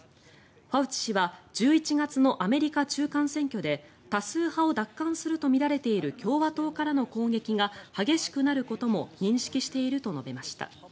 ファウチ氏は１１月のアメリカ中間選挙で多数派を奪還するとみられている共和党からの攻撃が激しくなることも認識していると述べました。